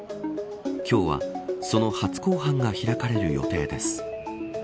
今日はその初公判が開かれる予定です。